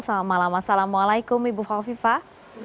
selamat malam assalamualaikum ibu khofifah